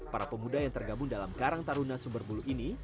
para pemuda yang tergabung dalam karang taruna sumberbulu ini